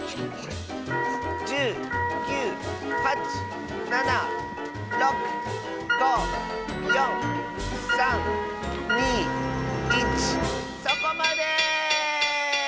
１０９８７６５４３２１そこまで！